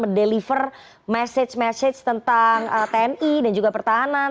mendeliver message message tentang tni dan juga pertahanan